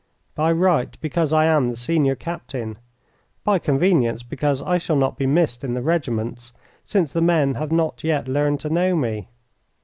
"By right because I am the senior captain. By convenience because I shall not be missed in the regiments since the men have not yet learned to know me."